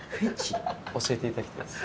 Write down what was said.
教えていただきたいです。